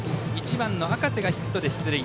１番の赤瀬がヒットで出塁。